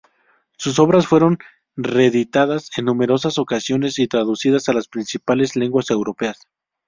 Sus obras fueron reeditadas en numerosas ocasiones y traducidas a las principales lenguas europeas.